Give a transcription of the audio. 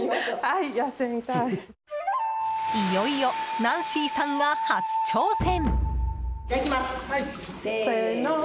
いよいよナンシーさんが初挑戦！